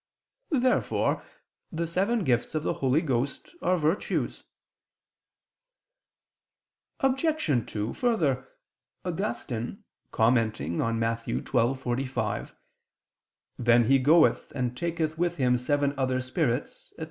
Therefore the seven gifts of the Holy Ghost are virtues. Obj. 2: Further, Augustine commenting on Matt. 12:45, "Then he goeth and taketh with him seven other spirits," etc.